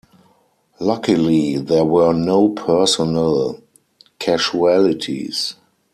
Luckily there were no personnel casualties.